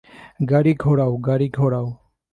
গাড়ি ঘোরাও, গাড়ি ঘোরাও।